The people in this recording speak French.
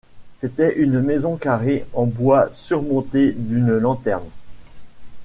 C'était une maison carrée en bois surmontée d'une lanterne.